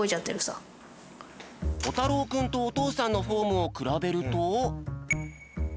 こたろうくんとおとうさんのフォームをくらべると。